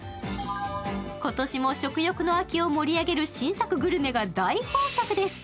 今年も食欲の秋を盛り上げる新作グルメが大豊作です。